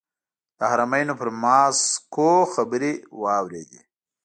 د حرمینو پر ماسکو خبرې واورېدې.